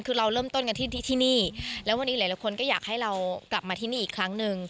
คือเราเริ่มต้นกันที่ที่นี่แล้ววันนี้หลายคนก็อยากให้เรากลับมาที่นี่อีกครั้งหนึ่ง